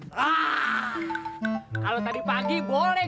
biar si gini kegagian di rumah elak